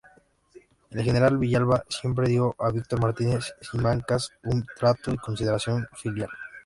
El general Villalba siempre dio a Víctor Martínez Simancas un trato y consideración filial.